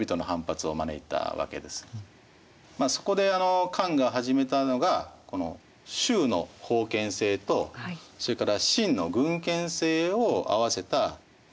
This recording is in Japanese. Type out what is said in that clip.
そこで漢が始めたのがこの周の封建制とそれから秦の郡県制を合わせた郡国制です。